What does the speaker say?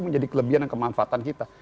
menjadi kelebihan dan kemanfaatan kita